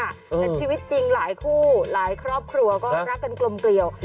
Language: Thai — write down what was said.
แต่ชีวิตจริงหลายคู่หลายครอบครัวก็รักกันกลมเกลียว